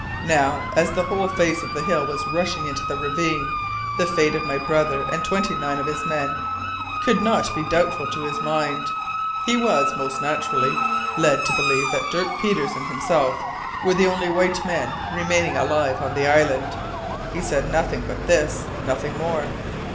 Now, as the whole face of the hill was rushing into the ravine, the fate of my brother and twenty nine of his men could not be doubtful to his mind. He was, most naturally, led to believe that Dirk Peters and himself were the only white men remaining alive on the island. He said nothing but this nothing more.